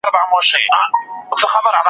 کسب زده کړئ.